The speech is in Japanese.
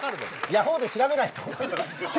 ヤホーで調べないと。